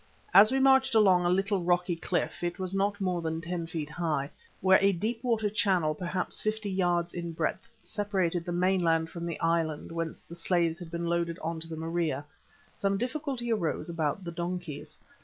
As we marched along a little rocky cliff it was not more than ten feet high where a deep water channel perhaps fifty yards in breadth separated the mainland from the island whence the slaves had been loaded on to the Maria, some difficulty arose about the donkeys.